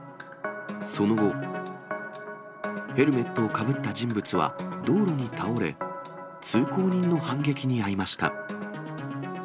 その後、ヘルメットをかぶった人物は道路に倒れ、通行人の反撃に遭いました。